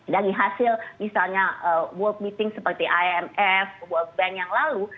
dari hasil misalnya world meeting seperti imf world bank yang lalu